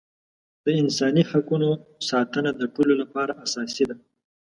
د انساني حقونو ساتنه د ټولو لپاره اساسي ده.